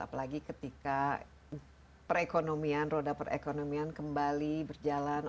apalagi ketika perekonomian roda perekonomian kembali berjalan